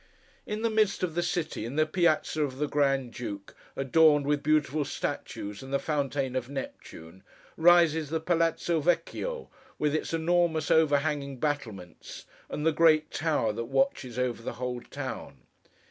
In the midst of the city—in the Piazza of the Grand Duke, adorned with beautiful statues and the Fountain of Neptune—rises the Palazzo Vecchio, with its enormous overhanging battlements, and the Great Tower that watches over the whole town.